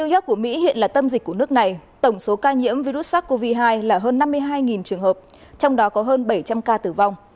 new york của mỹ hiện là tâm dịch của nước này tổng số ca nhiễm virus sars cov hai là hơn năm mươi hai trường hợp trong đó có hơn bảy trăm linh ca tử vong